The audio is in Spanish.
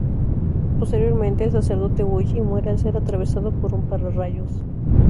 Posteriormente el sacerdote huye y muere al ser atravesado por un pararrayos.